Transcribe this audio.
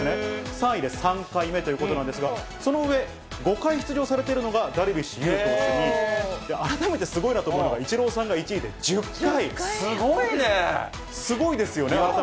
３位で３回目ということなんですが、その上、５回出場されているのがダルビッシュ有投手２位、改めてすごいなと思うのがイチローさんが１位で１０回。